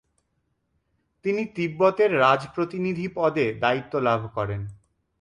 তিনি তিব্বতের রাজপ্রতিনিধি পদে দায়িত্ব লাভ করেন।